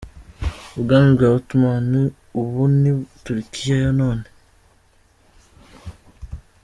Ubwami bwa Ottoman, ubu ni Turikiya ya none.